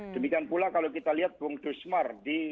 demikian pula kalau kita lihat bung dusmar di humbang hasundutan